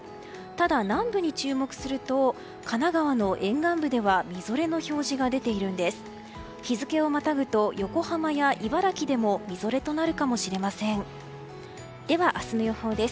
ただ、南部に注目すると神奈川の沿岸部ではみぞれの表示が出ているんです。